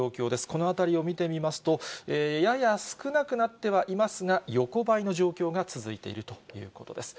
このあたりを見てみますと、やや少なくなってはいますが、横ばいの状況が続いているということです。